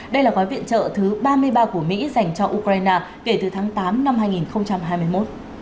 đây là gói viện trợ thứ ba mươi ba của mỹ dành cho ukraine kể từ tháng tám năm hai nghìn hai mươi một